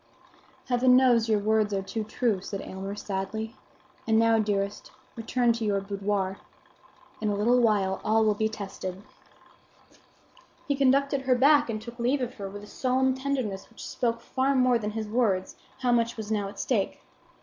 "Heaven knows your words are too true," said Aylmer, sadly. "And now, dearest, return to your boudoir. In a little while all will be tested." He conducted her back and took leave of her with a solemn tenderness which spoke far more than his words how much was now at stake.